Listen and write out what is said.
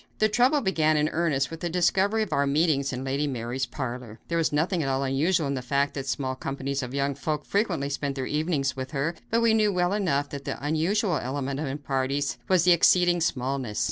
The trouble began in earnest with the discovery of our meetings in Lady Mary's parlor. There was nothing at all unusual in the fact that small companies of young folk frequently spent their evenings with her, but we knew well enough that the unusual element in our parties was their exceeding smallness.